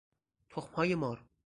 تخمهای مار